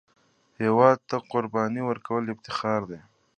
هېواد ته قرباني ورکول افتخار دی